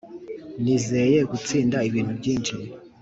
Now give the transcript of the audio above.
nizeye gutsinda ibintu byinshi